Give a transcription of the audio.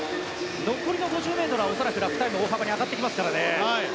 残りの５０ｍは恐らくラップタイムが大幅に上がってきますからね。